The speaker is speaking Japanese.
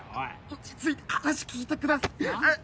落ち着いて話聞いてくださいあっ？